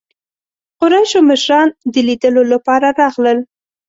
قریشو مشران د لیدلو لپاره راغلل.